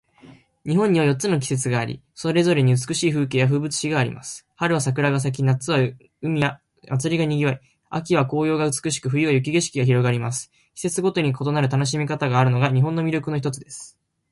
日本には四つの季節があり、それぞれに美しい風景や風物詩があります。春は桜が咲き、夏は海や祭りが賑わい、秋は紅葉が美しく、冬は雪景色が広がります。季節ごとに異なる楽しみ方があるのが、日本の魅力の一つです。